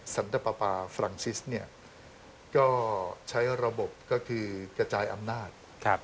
สันตะประปาฟรังซิสก็ใช้ระบบกระจายอำนาจ